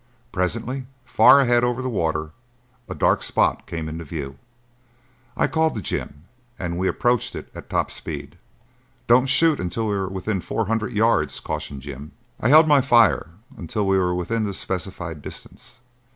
Presently, far ahead over the water, a dark spot came into view. I called to Jim and we approached it at top speed. "Don't shoot until we are within four hundred yards," cautioned Jim. I held my fire until we were within the specified distance.